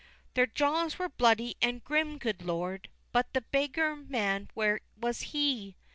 XXXIII. Their jaws were bloody and grim, good Lord! But the beggar man, where was he?